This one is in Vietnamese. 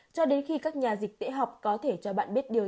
cho đến khi các nhà dịch tễ học có thể cho bạn biết điều này